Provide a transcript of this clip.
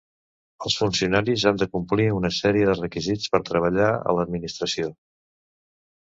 Els funcionaris han de complir una sèrie de requisits per treballar a l'administració